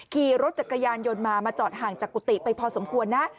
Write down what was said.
ขี่รถจักรยานยนต์มามาจอดห่างจากกุฏิไปพอสมควรนะ